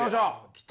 来た！